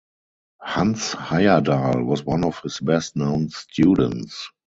Hans Heyerdahl was one of his best known students.